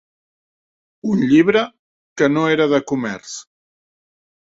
Un llibre que no era de comerç